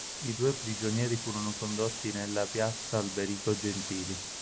I due prigionieri furono condotti nella piazza Alberico Gentili.